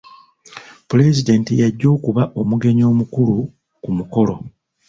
Pulezidenti y'ajja okuba omugenyi omukulu ku mukolo.